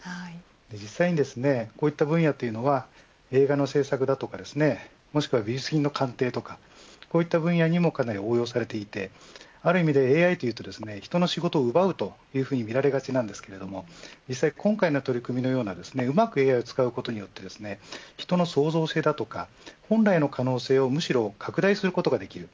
実際、こういった分野というのは映画の制作だとか美術品の鑑定だとかこういった分野にもかなり応用されていてある意味でＡＩというと人の仕事を奪うというふうに見られがちですけど実際に今回の取り組みのようにうまくＡＩを使うことによって人の創造性だとか本来の可能性をむしろ拡大することができる。